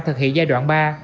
thực hiện giai đoạn ba